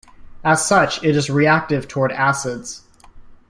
As such it is reactive toward acids.